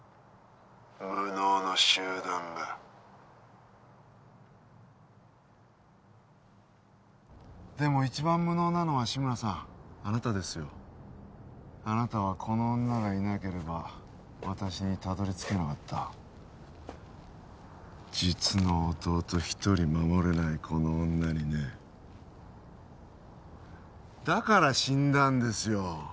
無能の集団がでも一番無能なのは志村さんあなたですよあなたはこの女がいなければ私にたどり着けなかった実の弟一人守れないこの女にねだから死んだんですよ